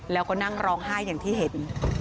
แล้วก็นั่งร้องไห้อย่างที่เห็น